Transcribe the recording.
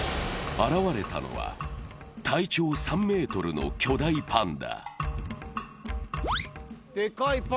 現れたのは、体長３ｍの巨大パンダ。